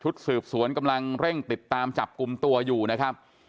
สืบสวนกำลังเร่งติดตามจับกลุ่มตัวอยู่นะครับ